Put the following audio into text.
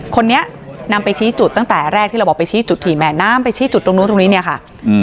คนนี้นำไปชี้จุดตั้งแต่แรกที่เราบอกไปชี้จุดถี่แม่น้ำไปชี้จุดตรงนู้นตรงนี้เนี่ยค่ะ